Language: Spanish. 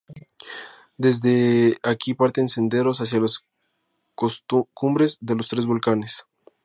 Desde aquí parten senderos hacia las cumbres de los tres volcanes.